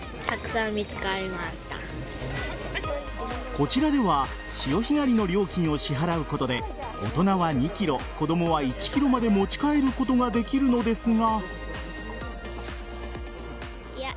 こちらでは潮干狩りの料金を支払うことで大人は２ｋｇ子供は１ｋｇまで持ち帰ることができるのですが。